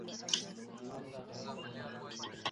ولي بریا هغو کسانو ته تسلیمیږي چي هیڅکله نه تسلیمیږي؟